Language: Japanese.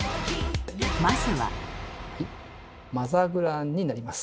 「マザグラン」になります。